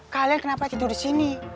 kalian kenapa tidur disini